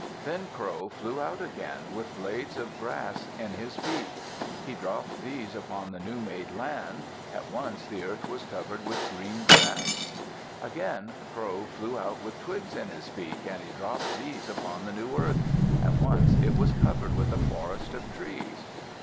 Then Crow flew out again, with blades of grass in his beak. He dropped these upon the new made land. At once the earth was covered with green grass. Again Crow flew out with twigs in his beak, and he dropped these upon the new earth. At once it was covered with a forest of trees.